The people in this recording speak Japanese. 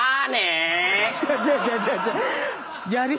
違う違う違う違う。